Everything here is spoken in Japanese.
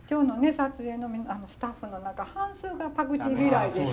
撮影スタッフの中半数がパクチー嫌いでして。